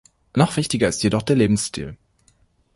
Noch wichtiger ist jedoch der Lebensstil.